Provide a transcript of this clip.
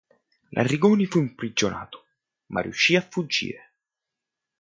L'Arrigoni fu imprigionato, ma riusci a fuggire.